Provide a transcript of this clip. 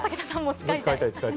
使いたい。